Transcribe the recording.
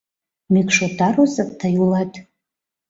Мӱкш отар оза тый улат!